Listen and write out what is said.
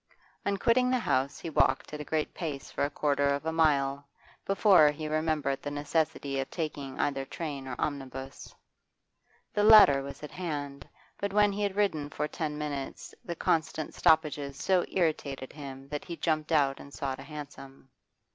On quitting the house he walked at a great pace for a quarter of a mile before he remembered the necessity of taking either train or omnibus. The latter was at hand, but when he had ridden for ten minutes the constant stoppages so irritated him that he jumped out and sought a hansom.